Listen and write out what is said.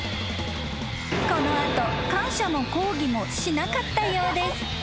［この後感謝も抗議もしなかったようです］